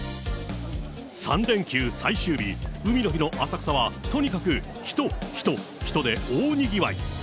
３連休最終日、海の日の浅草は、とにかく人、人、人で大にぎわい。